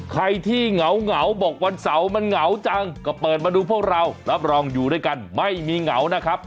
ใครที่เหงาเหงาบอกวันเสาร์มันเหงาจังก็เปิดมาดูพวกเรารับรองอยู่ด้วยกันไม่มีเหงานะครับ